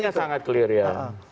petanya sangat clear ya